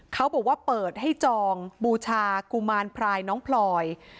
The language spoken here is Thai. เขาบอกว่าเปิดให้จองบูชากุมารพรายน้องพลอย